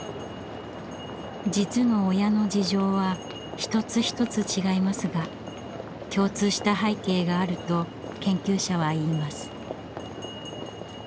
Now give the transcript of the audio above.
実の親の事情は一つ一つ違いますが共通した背景があると研究者は言います。